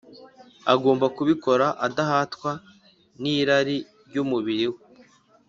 Agomba kubikora adahatwa n’irari ry’umubiri we